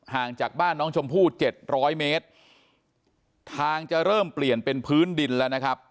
ห่างจากบ้านน้องชมพู่เจ็ดร้อยเมตรทางจะเริ่มเปลี่ยนเป็นพื้นดินแล้วนะครับ